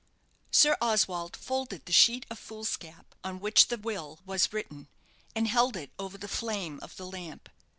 Sir Oswald folded the sheet of foolscap on which the will was written, and held it over the flame of the lamp.